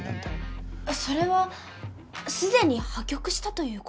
それはすでに破局したという事では？